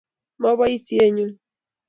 Maposien nyun.